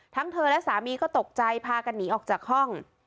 เธอและสามีก็ตกใจพากันหนีออกจากห้อง